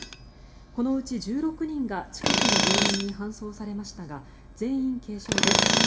このうち１６人が近くの病院に搬送されましたが全員軽傷です。